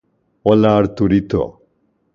Hola Arturito